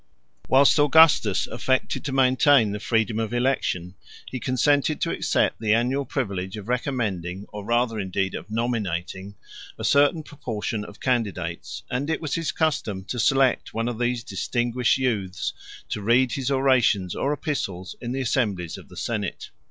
Whilst Augustus affected to maintain the freedom of election, he consented to accept the annual privilege of recommending, or rather indeed of nominating, a certain proportion of candidates; and it was his custom to select one of these distinguished youths, to read his orations or epistles in the assemblies of the senate.